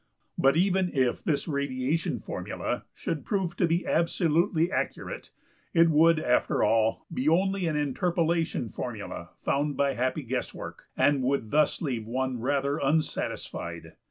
But even if this radiation formula should prove to be absolutely accurate it would after all be only an interpolation formula found by happy guesswork, and would thus leave one rather unsatisfied.